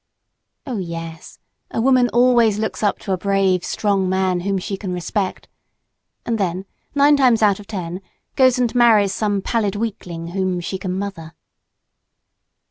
Oh yes, a woman always looks up to a brave, strong man whom she can respect and then nine times out of ten, goes and marries some pallid weakling whom she can "mother."